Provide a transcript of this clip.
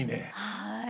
はい。